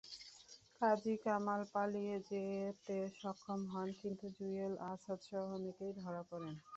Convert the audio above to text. কাজী কামাল পালিয়ে যেতে সক্ষম হন, কিন্তু জুয়েল, আজাদসহ অনেকেই ধরা পড়েন।